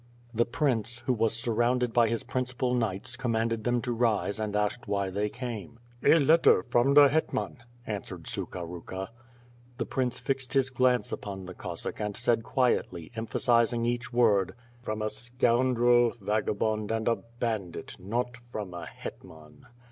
The prince, who was surrounded by his principal knights commanded fhem to rise and asked why they came. "A letter from the hetman," answered Sukha Ruka. The prince fixed his glance upon the Cossack and said quietly, emphasizing each word. "From a scoundrel, vagabond, and a bandit, not from a hetman.'